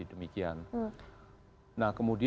jadi kita bisa lihat bagaimana ini berhasil